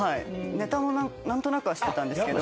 ネタも何となくは知ってたんですけど。